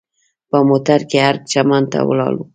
په موټر کې ارګ چمن ته ولاړو.